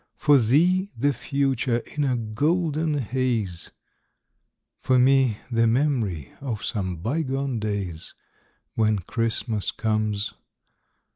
For thee, the future in a golden haze, For me, the memory of some bygone days, When Christmas comes.